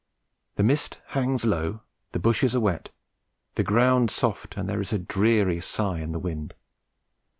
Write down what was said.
The mist hangs low, the bushes are wet, the ground soft, and there is a dreary sigh in the wind.